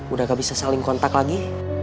udah gak bisa saling kontak lagi